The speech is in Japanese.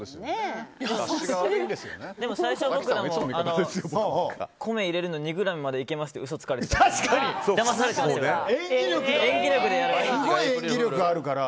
でも最初、僕らも米入れるの２ｇまでいけますって嘘つかれましたから。